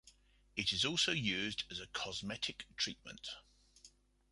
It is also used as a cosmetic treatment.